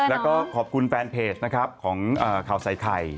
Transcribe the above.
แล้วก็ขอบคุณแฟนเพจนะครับของข่าวใส่ไข่